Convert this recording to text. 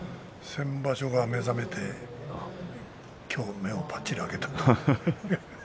先場所目覚めて今日、目をぱっちり開けたと。